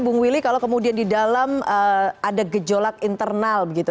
bung willy kalau kemudian di dalam ada gejolak internal begitu